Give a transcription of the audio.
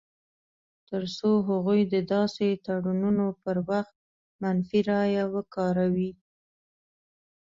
تر څو هغوی د داسې تړونونو پر وخت منفي رایه وکاروي.